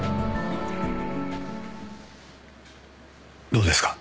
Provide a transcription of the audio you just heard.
どうですか？